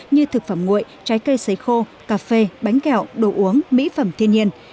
như thực phẩm nguội trái cây xấy khô cà phê bánh kẹo đồ uống mỹ phẩm thiên nhiên